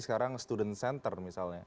sekarang student center misalnya